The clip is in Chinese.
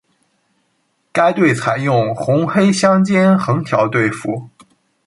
该队采用红黑相间横条队服。